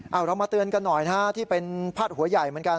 เอาเรามาเตือนกันหน่อยนะฮะที่เป็นพาดหัวใหญ่เหมือนกัน